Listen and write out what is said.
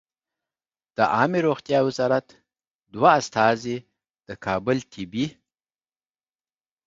د عامې روغتیا وزارت دوه استازي د کابل طبي